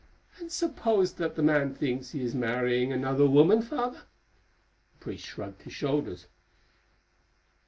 "And suppose that the man thinks he is marrying another woman, Father?" The priest shrugged his shoulders.